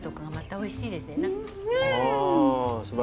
おいしい。